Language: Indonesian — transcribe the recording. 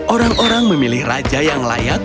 orang orang memilih raja yang layak